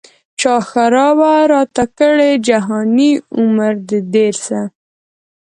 چا ښرا وه راته کړې جهاني عمر دي ډېر سه